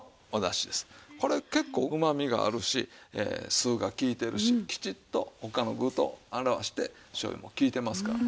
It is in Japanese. これ結構うまみがあるし酢が利いてるしきちっと他の具と醤油も利いてますからね。